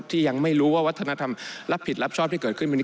ยังไม่รู้ว่าวัฒนธรรมรับผิดรับชอบที่เกิดขึ้นวันนี้